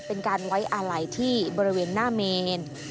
เป็นการไว้อาลัยที่บริเวณหน้าเมน